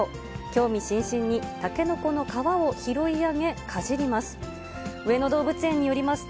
興味津々に、タケノコの皮を拾い上げ、かじります。